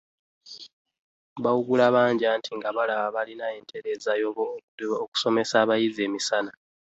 Baawugula bangi anti nga balaba bo balina entereeza y’obudde eyagobererwanga okusomesa abayizi emisana.